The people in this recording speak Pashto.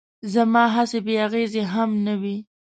زما هڅې بې اغېزې هم نه وې.